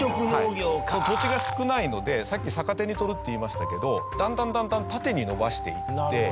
土地が少ないのでさっき逆手に取るって言いましたけどだんだんだんだん縦に延ばしていって。